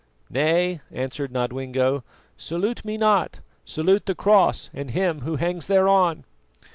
"Nay," answered Nodwengo. "Salute me not, salute the Cross and him who hangs thereon."